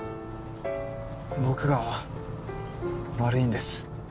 僕が悪いんです。